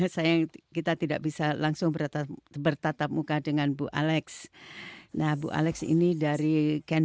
sayang kita tidak bisa langsung berat bertatap muka dengan bu alex nah bu alex ini dari ken